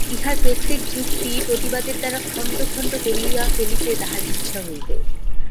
ইহার প্রত্যেক যুক্তি প্রতিবাদের দ্বারা খণ্ড খণ্ড করিয়া ফেলিতে তাহার ইচ্ছা হইল।